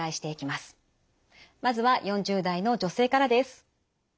まずは４０代の女性からです。